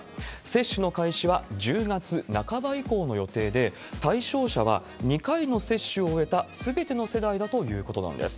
接種の開始は１０月半ば以降の予定で、対象者は２回の接種を終えたすべての世代だということなんです。